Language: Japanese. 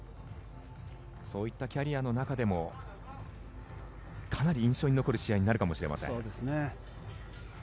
そういったキャリアの中でもかなり印象に残る試合になるかもしれません。